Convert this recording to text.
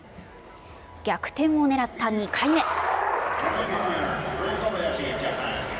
逆転をねらった２回目。